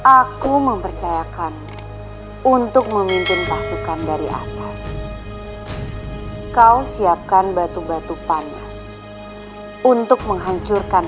aku mempercayakan untuk memimpin pasukan dari atas kau siapkan batu batu panas untuk menghancurkan